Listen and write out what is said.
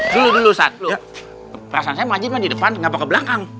dulu dulu satu perasaan saya majidnya di depan nggak mau ke belakang